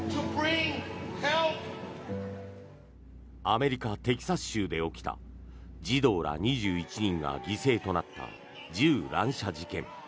アメリカ・テキサス州で起きた児童ら２１人が犠牲となった銃乱射事件。